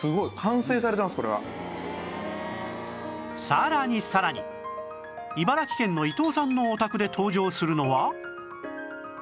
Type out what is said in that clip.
さらにさらに茨城県の伊藤さんのお宅で登場するのは